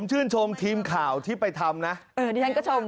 แม่ของแม่ชีอู๋ได้รู้ว่าแม่ของแม่ชีอู๋ได้รู้ว่า